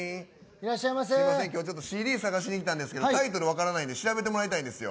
ＣＤ探しに来たんですけどタイトル分からないんで調べてもらいたいんですよ。